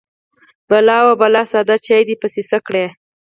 _بلا ، وه بلا! ساده چاې دې پسې څه کړ؟